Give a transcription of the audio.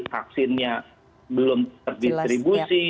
vaksinnya belum terdistribusi